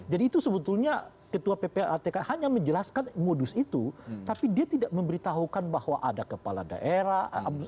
jadi itu sebetulnya ketua ppatk hanya menjelaskan modus itu tapi dia tidak memberitahukan bahwa ada kepala daerah